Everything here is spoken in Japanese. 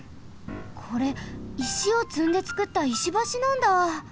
これ石をつんでつくった石橋なんだ！